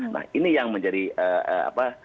nah ini yang menjadi apa